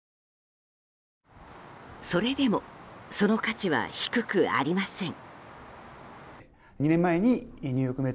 それでもその価値は低くありません。